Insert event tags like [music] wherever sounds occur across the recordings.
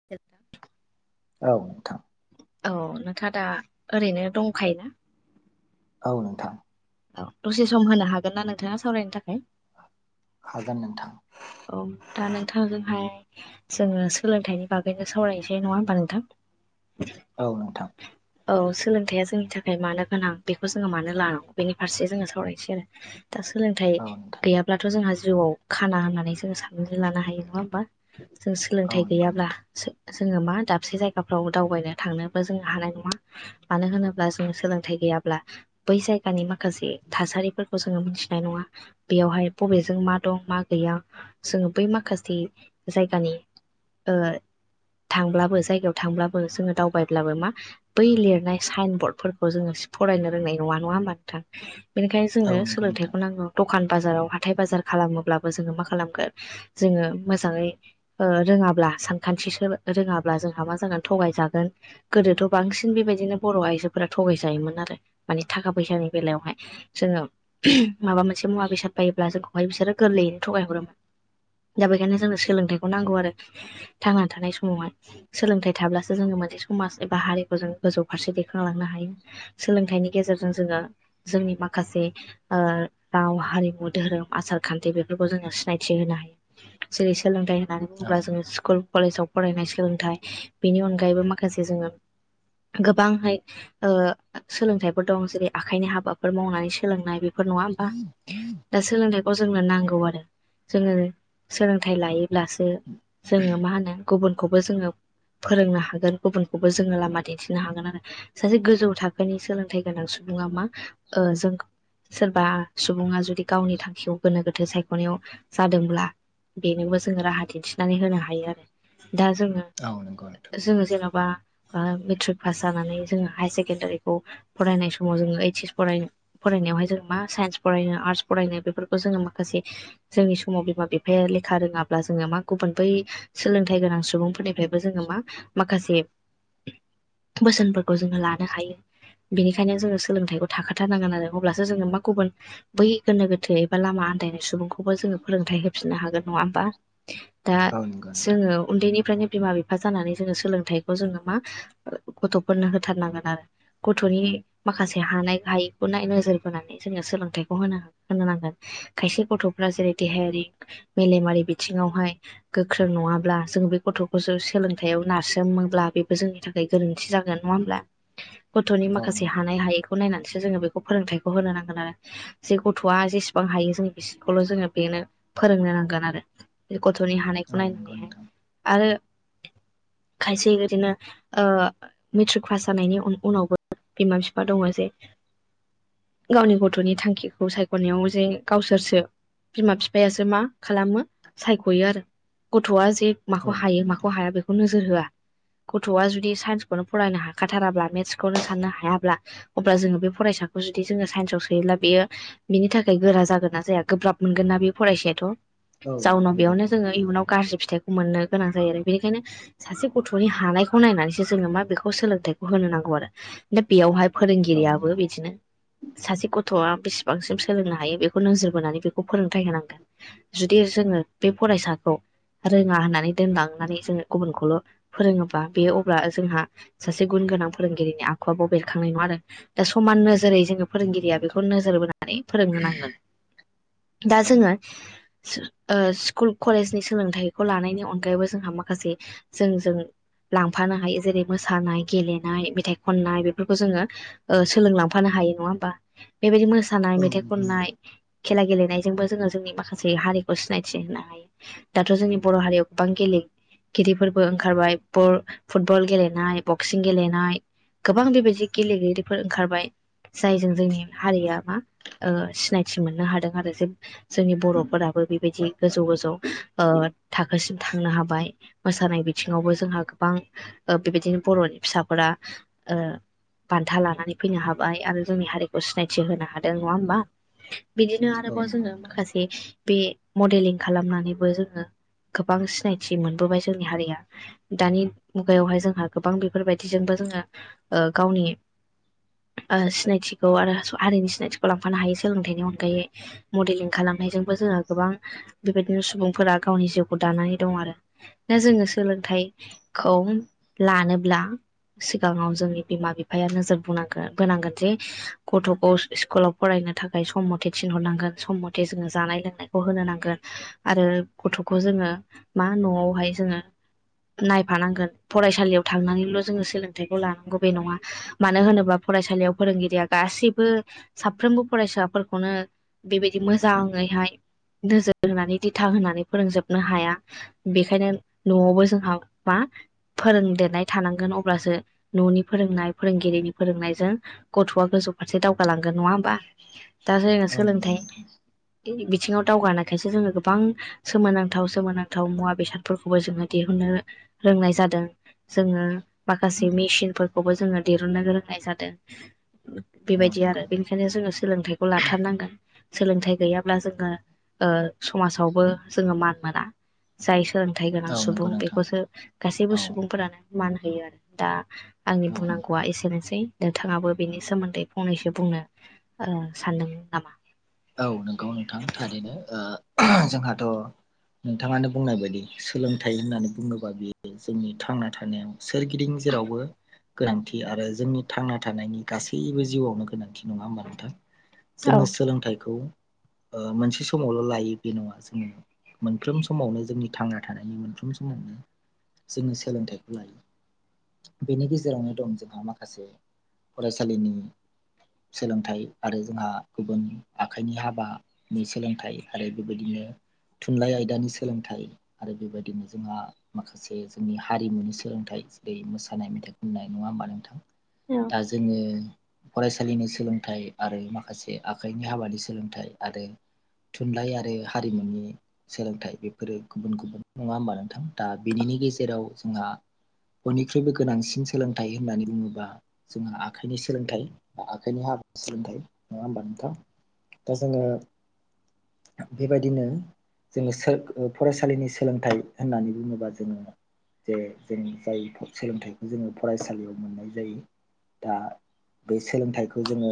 [unintelligible] औ। नोंथां औ नोंथा दा ओरैनो दंखायोना? औ नोंथां। औ दसे सम होनो हागोन ना नोंथांङा सावरायनो थाखाय? हागोन नोंथां। औ दा नोंथां जोंहाय जोंङो सोलोंथाइनि बागैनो सावरायनोसै नंङा होमबा नोंथां? औ नोंथां। [inaudible] औ सोलोंथायाइया जोंनि थाखाय मानो गोनां बेखौ जोंङो मानो लानांगौ बेनि फारसे जोङो सावरायसै आरो दा सोलोंथाइ औ नोंथां गैयाब्लाथ' जोंहा जिउआव खाना होननानै जोंङो सा ननानै लानो हायो नंङा होमबा? जों औ सोलोंथाइ नंगौ गैयाब्ला नोंथां जोंङो मा दाबसे जायगाफ्राव दावबायनो थांनोबो जोंङो हानाय नंङा। मानो होनोब्ला जों सोलोंथाइ गैयाब्ला बै जायगानि माखासे थासारिफोर खौ जोंङो मोनथिनाय नङा बेयावहाय बबेजों मा दं मा गैया। जोंङो बै माखासे जायगानि ओ- थांब्लाबो जायगायाव थांब्लाबो जोंङो दावबायब्लाबो मा बै लिरनाय साइन बरर्डफोरखौ जोङो फरायनो रोंनाय नंङा नंङा होमबा नोंथां? बेनिखायनो औ जोंनो नंगौ नोंथां सोलोंथाइखौ नांगौ दखान बाजाराव हाथाय बाजार खालामोब्लाबो जोंङो मा खालामगोन? जोंङो मोजांङै ओ-रोङाब्ला सानखान्थिसो रोङाब्ला जोंहा मा जागोन थगायजागोन। गोदोथ' बांसिन बेबायदिनो बर' आइजोफोरा थगायजायोमोन आरो मानि थाखा फैसानि बेलायावहाय। जोङो माबा मोनसे मुवा बेसाद बायोब्ला जोंखौहाय बिसोरो गोरलैयैनो थगाय हरोमोन। दा बेखायनो जोंनो सोलोंथाइखौ नांगौ आरो थांना थानाय समावहाय। सोलोंथाइ थाब्लासो जोङो मोनसे समाज एबा हारिखौ जों गोजौ फारसे दैखांलांनो हायो। सोलोंथाइनि गेजेरजों जोङो। जोंनि माखासे ओ-राव हारिमु धोरोम आसार खान्थि बेफोरखौ जोङो सिनायथि थिहोनो हायो जेरै सोलोंथाइ होननानै औ बुङोब्ला जोङो स्कुल कलेजाव फरायनाय सोलोंथाइ बेनि अनगायैबो माखासे जोङो गोबांहाय ओ-सोलोंथाइफोर दं जेरै आखाइनि हाबाफोर मावनानै सोलोंनाय बे फोर नङा होमबा? दा सोलोंथायखौ जोंनो नांगौ आरो। जोङो सोलोंथाय लायो ब्लासो जोङो मा होनो गुबुनखौ जोङो फोरोंनो हागोन गुबुनखौबो जोङो लामा दिन्थिनो हागोन आरो सासे गोजौ थाखोनि सोलोंथाइ गोनां सुबुङा मा ओ-जों- सोरबा सुबुङा जुदि गावनि थांखिखौ गोनो गोथो सायख'नायाव जादोंब्ला बेनोबो जोङो राहा दिन्थिनानै होनो हायो आरो दा जोङो औ नंगौ नोंथां। जोङो जेन'बा बा मेट्रिक पास जानानै जोङो हायार सेकेण्डारिखौ फरायनाय समाव जोङो ओइस एस फरायनो फरायनायावहाय जों मा साइन्स फरायनो आर्टस फरायनो बेफोरखौ जोङो माखासे जोंनि समाव बिमा बिफाया लेखा रोङाब्ला जोङो मा गुबुन बै सोलोंथाइ गोनां सुबुंफोरनिफ्रायबो जोङो मा माखासे बोसोनफोरखौ जोङो लानो हायो। बेनिखायनो जोङो सोलोंथाइखौ थाखाथारनांगोन आरो अब्लासो जोङो मा गुबुन बै गोनो गोथो एबा लामा आन्दायनाय सुबुंखौबो जोङो फोरोंथाइ होफिननो हागोन नङा होमबा? दा औ नंगौ जोङो उन्दैनिफ्रायनो बिमा बिफा जानानै जोङो सोलोंथाइखौ जोङो मा गथ'फोरनो होथारनांगोन आरो। गथ'नि माखासे हानाय हायिखौ नोजोर बोनानै जोङो सोलोंथाइखौ होनो होनो नांगोन खायसे गथ'फ्रा जेरै देहायारि मेलेमारि बिथिङावहाय गोख्रों नङाब्ला जों बे गथ'खौसो सोलोंथायाइयाव नारसोमोब्ला बेबो जोंनि थाखाय गोरोन्थि जागोन नङा होमब्ला गथ'नि औ माखासे हानाय हायै खौ नायनानैसो जोङो बेखौ फोरोंथाइखौ होनो नांगोन आरो जे गथ'आ जेसेबां हायो जों बि- खौल' जोङो बेनो फोरोंनो नांगोन आरो बे गथ'नि हानायखौ नंगौ नोंथां औ नंगौ नायनानैहाय नोंथां आरो खायसे बिदिनो ओ- मेट्रिक पास जानायनि उनावबो बिमा बिफा दङ जे गावनि गथ'नि थांखिखौ सायख' नायाव जे गावसोरसो बिमा बिफायासो मा खालामो सायख'यो आरो गथ'आ जे माखौ हायो औ माखौ हाया बेखौ नोजोर होआ। गथ'आ जुदि साइन्सखौनो फरायनो हाखाथाराब्ला मेथ्सखौनो साननो हायाब्ला अब्ला जोङो बे फरायसाखौ जुदि जोङो साइन्सआव सोयोब्ला बियो बिनि थाखाय गोरा जागोन ना जाया गोब्राब मोनगोन ना बे फरायसायाथ' जाउनाव नंगौ बेयावनो नोंथां जोङो थारैनो इयुनाव गाज्रि फिथाइखौ मोननो गोनां जायो आरो बेनिखायनो सासे गथ'नि हानायखौ नायनानैसो जोङो मा बेखौ सोलोंथाइखौ होनो नांगौ आरो दा बेयाव औ फोरोंगिरियाबो नंगौ बिदिनो सासे गथ'आ बेसेबांसिम सोलोंनो हायो बेखौ नोजोर बोनानै बेखौ फोरोंथायाइ होनांगोन। जुदि जोङो बे फरायसाखौ रोङा होननानै दोनलांनानै जोङो गुबुनखौल' फोरोङोबा बेयो अब्ला जोंहा। सासे गुन गोनां फोरोंगिरिनि आखुआ बाव बेरखांनाय नङा आरो दा समान नोजोरै जोङो नंगौ फोरोंगिरिया नोंथां बेखौ नोजोर बोनानै फोरोंहोनांगोन दा औ नंगौ नोंथां औ नंगौ नोंथां औ नंगौ नोंथां औ नंगौ जोङो सो ओ स्कुल कलेजनि सोलोंथाइखौ लानायनि अनगायैबो जोंहा माखासे जों जों लांफानो हायो जेरै- मोसानाय गेलेनाय मेथाइ' खननाय बेफोरखौ जोङो ओ सोलोंलांफानो हायो नङा होमबा। बेबायदि मोसानाय मेथाइ' खननाय खेला गेलेनायजोंबो जोङो जोंनि माखासे हारिखौ सिनायथि होनो हायो। दाथ' जोंनि बर' हारिआव बां गेले गिदिरफोरबो ओंखारबाय फुटबल गेलेनाय बक्सिं गेलेनाय। गोबां बेबायदि गेलेगिरिफोर ओंखारबाय। जायजों जोंनि हारिया मा ओ सिनायथि मोननो हादों आरो जे जोंनि बर'फोराबो बेबायदि गोजौ गोजौ ओ थाखोसिम थांनो हाबाय। मोसानाय बिथिङावबो जोंहा गोबां ओ बेबायदिनो बर'नि फिसाफोरा ओ बान्था लानानै फैनो हाबाय। आरो जोंनि हारिखौ सिनायथि होनो हादों नङा होमबा बिदिनो बिनो आरोबाव जोङो माखासे बे मडेलिं खालामनानैबो जोङो गोबां सिनायथि मोनबोबाय जोंनि हारिया दानि मुगायावहाय जोंहा गोबां बेफोरबायदिजोंबो जोङो ओ गावनि ओ सिनायथिखौ आरो हारिनि सिनायथिखौ लांफानो हायो सोलोंथाइनि अनगायै। मडेलिं खालामनायजोंबो जोङो गोबां बेबायदिनो सुबुंफोरा गावनि जिउखौ दानानै दं। आरो दा जोङो सोलोंथाइ खौ लानोब्ला सिगाङाव जोंनि बिमा बिफाया नोजोर बुंनांगोन होनांगोन जे गथ'खौ स्कुलाव फरायनो थाखाय सम मथे थिनहरनांगोन सम मथे जोङो जानाय लोंनायखौ होनो नांगोन। आरो गथ'खौ जोङो मा न'आवहाय जोङो नायफानांगोन फरायसालियाव थांनानैल' जोङो सोलोंथाइखौ लानांगौ बे नङा मानो होनोबा फरायसालियाव फोरोंगिरिया गासैबो साफ्रोमबो फरायसाफोरखौनो बेबायदि मोजाङैहाय नोजोर होनानै दिथा होनानै फोरोंजोबनो हाया। बेखायनो न'आवबो जोंहा मा फोरोंदेरनाय थानांगोन अब्लासो न'नि फोरोंनाय फोरोंगिरिनि फोरोंनायजों गथ'आ गोजौ फारसे दावगालांगोन नङा होमबा दा जो बिथिङाव दावगानायखायसो जोङो गोबां सोमोनांथाव सोमोनांथाव मुवा बेसादफोरखौबो जोङो दिहुननो रोंनाय जादों। जोङो माखासे मेसिनफोरखौबो जोङो दिरुननो गोंनाय जादों। बेबायदि आरो औ बेनिखायनो जोङो सोलोंथाइखौ लाथारनांगोन। सोलोंथाइ गैयाब्ला जोङो ओ समाजावबो जोङो मान मोना। जाय सोलोंथाइ गोनां सुबुं नंगौ नोंथां बेखौसो गासैबो औ सुबुंफोरानो मान होयो आरो। दा आंनि औ बुंनांगौआ एसेनोसै। नोंथाङाबो बेनि सोमोन्दै फंनैसो बुंनो ओ सानदों नामा। औ नंगौ नोंथां थारैनो ओ जोंहाथ' नोंथाङानो बुंनाय बायदि सोलोंथाइ होननानै बुङोबा बेयो जोंनि थांना थानायाव सोरगिदिं जेरावबो गोनांथि आरो जोंनि थांना थानायनि गासैबो जिउआवनो गोनांथि नङा होमा नोंथां औ जोंनो सोलोंथाइ खौ ओ मोनसे समावल' लायो बे नङा जोङो मोनफ्रोम समावनो जोंनि थांना थानायनि मोनफ्रोम समावनो जोङो सोलोंथाइखौ लायो बेनि गेजेरावनो दं जोंहा माखासे फरायसालिनि सोलोंथाइ आरो जोंहा गुबुन आखाइनि हाबानि सोलोंथाइ आरो बेबायदिनो थुनलाइ आयदानि सोलोंथाइ आरो बेबायदिनो जोंहा माखासे जोंनि हारिमुनि सोलोंथाइ जेरै मोसानाय मेथाइ खननाय नङा होमबा नोंथां। दा जोङो फरायसालिनि सोलोंथाइ आरो माखासे आखाइ हाबानि सोलोंथाइ आरो थुनलाइ आरो हारिमुनि सोलोंथाइ बेफोरो गुबुन गुबुन नङा होमबा नोंथां दा बेनिनि गेजेराव जोंहा बयनिख्रुइबो गोनांसिन सोलोंथाइ होननानै बुङोब्ला जोंहा आखाइनि सोलोंथाइ बा आखाइनि हाब सोलोंथाइ नङा होमबा नोंथां दा जोङो बेबायदिनो जोङो सो फरायसालिनि सोलोंथाइ होननानै बुङोबा जोङो जे जों जाय सोलोंथाइखौ जोङो फरायसालियाव मोननाय जायो दा बे सोलोंथाइखौ जोङो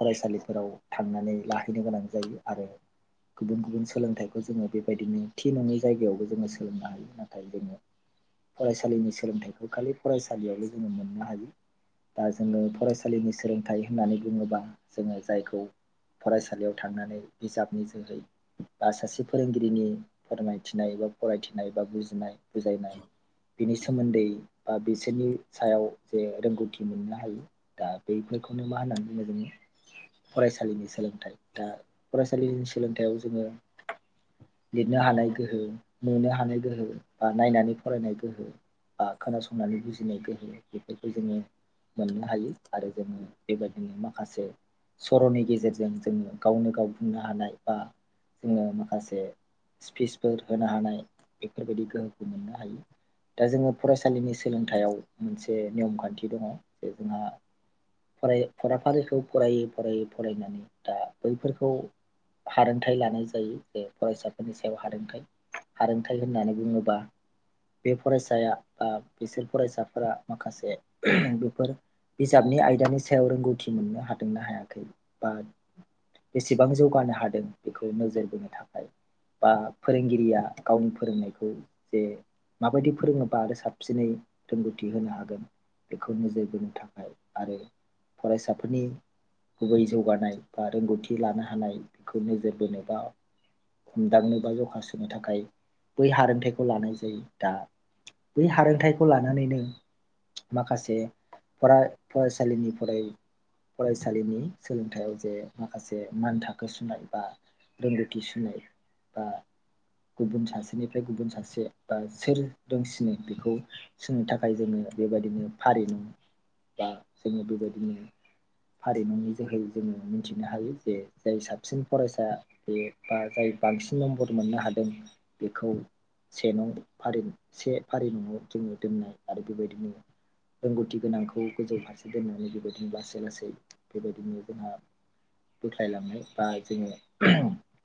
फरायसालिफोराव थांनानै लाहैनो गोनां जायो आरो गुबुन गुबुन सोलोंथाइखौ जोङो बेबायदिनो थि नङै जायगायावबो जोङो सोलोंनो हायो नाथाय जोङो फरायसालिनि सोलोंथाइखौ खालि फरायसालियावल जोङो मोननो हायो दा जोङो फरायसालिनि सोलोंथाइ होननानै बुङोबा जोङो जायखौ फरायसालियाव थांनानै बिजाबनि जोहै बा सासे फोरोंगिरिनि फोरमायथिनाय बा फरायथिनाय बा बुजिनाय बुजायनाय बिनि सोमोन्दै बा बिसोरनि सायाव जे रोंगौथि मोननो हायो दा बेफोरखौनो मा होननानै बुङो जोङो फरायसालिनि सोलोंथाइ। दा फरायसालिनि सोलोंथायाइयाव जोङो लिरनो हानाय गोहो, नुनो हानाय गोहो, बा नायनानै फरायनाय गोहो बा खोनासंनानै बुजिनाय गोहो बेफोरखौ जोङो मोननो हायो आरो जोङो बेबायदिनो माखासे सर'नि गेजेरजों जोङो गावनो गाव बुंनो हानाय बा जोङो माखासे स्पिसफोर होनो हानाय बेफोरबायदि गोहोखौ मोननो हायो। दा जोङो फरायसालिनि सोलोंथायइयाव मोनसे नियम खान्थि दङ जे जोंहा फराय फराफारिखौ फरायै फरायै फरायनानै दा बैफोरखौ हारोंथाय लानाय जायो जे फरायसाफोरनि सायाव हारोंथाइ हारोंथाइ होननानै बुङोबा बे फरायसाया बा बिसोर फरायसाफोरा माखासे बेफोर बिजाबनि आयदानि सायाव रोंगौथि मोननो हादोंना हायाखै बा बेसेबां जौगानो हादों बेखौ नोजोर बोनो थाखाय बा फोरोंगिरिया गावनि फोरोंनायखौ जे माबायदि फोरोङोबा आरो साबसिनै रोंगौथि होनो हागोन बेखौ नोजोर बोनो थाखाय आरो फरायसाफोरनि गुबै जौगानाय बा रोंगौथि लानो हानाय बेखौ नोजोर बोनोबा हमदांनो बा जखा सुनो थाखाय बै हारोंथाइखौ लानाय जायो। दा बै हारोंथाइखौ लानानैनो माखासे फरा फरायसालिनि फराय फरायसालिनि सोलोंथाइयाव जे माखासे मान थाखो सुनाय, बा रोंगौथि सुनाय बा गुबुन सासेनिफ्राय गुबुन सासे बा सोर रोंसिनो बेखौ सोंनो थाखाय जोङो बेबायदिनो फारिनं बा जोङो बेबायदिनो फारिमुनि जोहै जोङो मिथिनो हायो जे जाय साबसिन फरायसा बे बा जाय बांसिन नम्बर मोननो हादों बेखौ से नं फारि से फारि नङआव जोङो दोननाय आरो बेबायदिनो। रोंगौथि गोनांखौ गोजौ फारसे दोननानै बेबायदिनो लासै लासै बेबायदिनो जोंहा बोख्लायलांनाय बा जोङो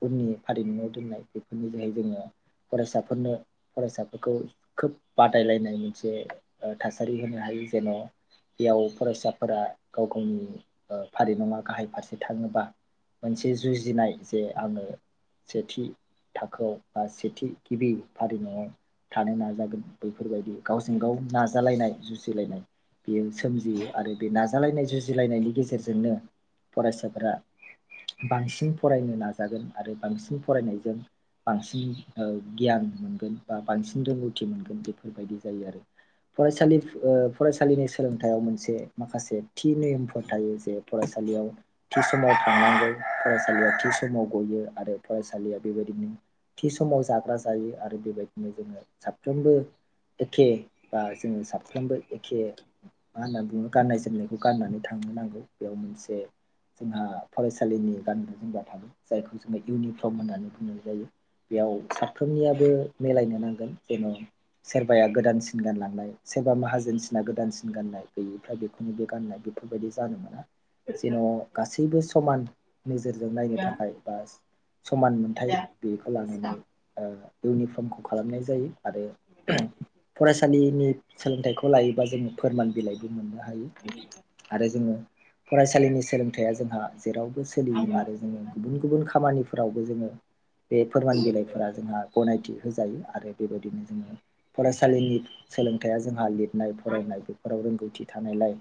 फोरनि फारिमुआव दोननाय बेफोरनि जोहै जोङो फरायसाफोरनो फरायसाफोरखौ खोब बादायलायनाय मोनसे थासारि होनो हायो जेन' बेयाव फरायसाफोरा गाव गावनि ओ फारि नङा गाहाय फारसे थाङोबा मोनसे जुजिनाय जे आङो सेथि थाखोआव बा सेथि गिबि फारिमुआव थानो नाजागोन बैफोरबायदि गावजों गाव नाजालायनाय, जुजिलायनाय बियो सोमजियो आरो बे नाजालायनाय, जुजिलायनायनि गेजेरजोंनो फरायसाफोरा बांसिन फरायनो नाजागोन आरो बांसिन फरायनायजों बांसिन ओ गियान मोनगोन बा बांसिन रोंगौथि मोनगोन बेफोरबायदि जायो आरो। फरायसालि ओ फरायसालिनि सोलोंथायाव मोनसे माखासे थि नियमफोर थायो जे फरायसालियाव थि समाव थांनांगौ फरायसालिया थि समाव गयो आरो फरायसालिया बेबायदिनो थि समाव जाग्रा जायो आरो बेबायदिनो जोङो साफ्रोमबो एखे बा जोङो साफ्रोमबो एखे मा होनना बुङो गाननाय जोमनायखौ गाननानै थांनो नांगौ बेयाव मोनसे जोंहा फरायसालिनि गानग्रा जोमग्रा था जायखौ जोङो इउनिफ्रम होननानै बुंनाय जायो। बेयाव साफ्रोमनियाबो मिलायनो नांगोन जेन सोरबाया गोदानसिन गानलांनाय सोरबा माहाजोनसिना गोदानसिन गाननाय गैयिफ्रा बेखौनो बे गाननाय बेफोरबायदि जानो मोना जेन गासैबो समान। नोजोरजों नायनो थाखाय बा समान मोनथाय बेखौ लानानै ओ इउनिफ्रमखौ खालामनाय जायो आरो फरायसालिनि सोलोंथाइखौ लायोबा जोङो फोरमान बिलाइबो मोननो हायो। बि आरो जोङो फरायसालिनि सोलोंथाइया जोंहा जेरावबो सोलियो आरो जोङो गुबुन गुबुन खामानिफोरावबो जोङो बे फोरमान बिलाइफोरा जोंहा गनायथि होजायो आरो बेबायदिनो जोङो फरायसालिनि सोलोंथाया जोंहा लिरनाय फरायनाय बेफोराव रोंगौथि थानायलाय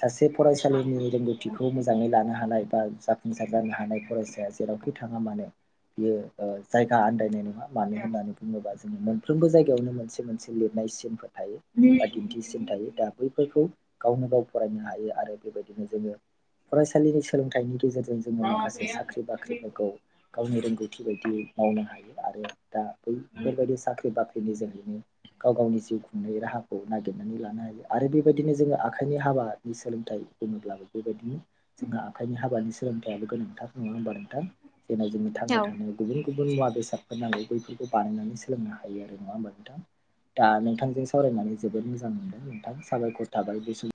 सासे फरायसालिनि रोंगथि खौ मोजाङै लानो हानाय बा जाफुंसार जानो हानाय फरायसाया जेरावखि थाङा मानो बियो ओ जायगा आन्दायनाय नङा मानो होननानै बुङोबा जोंङो मोनफ्रोमबो जायगायावनो मोनसे मोनसे लिरनाय सिनफोर थायो बा दिन्थिसिन थायो दा बैफोरखौ गावनो गाव फरायनो हायो। आरो बेबायदिनो जोङो फरायसालिनि सोलोंथाइनि गेजेरजों जोङो माखासे साख्रि बाख्रिफोरखौ गावनि रोंगौथि बायदियै मावनो हायो आरो दा बैफोरबायदि साख्रि बाख्रिनि जोहैनो गाव गावनि जिउ खुंनाय राहाखौ नागिरनानै लानो हायो आरो बेबायदिनो जोङो आखाइनि हाबा आ नि सोलोंथाइ बुङोब्लाबो बेबायदिनो जोंहा आखाइनि हाबानि सोलोंथाइयाबो गोनांथार नङा होमबा नोंथां जेना जोंनि थांना औ थानाय गुबुन गुबुन मुवा बेसादफोर नांगौ बैफोरखौ बानायनानै सोलोंनो हायो आरो नङा होमबा नोंथां? दा नोंथांजों सावरायनानै जोबोद मोजां मोनदों नोंथां साबायखर थाबाय बे सम